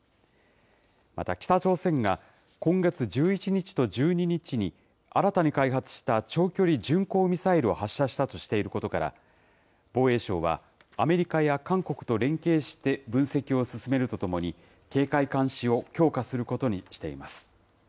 また、北朝鮮が今月１１日と１２日に、新たに開発した長距離巡航ミサイルを発射したとしていることから、防衛省は、アメリカや韓国と連携して分析を進めるとともに、警戒監視を強化することにしています。